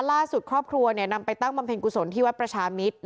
ล่าสุดครอบครัวนำไปตั้งบำเพ็ญกุศลที่วัดประชามิตร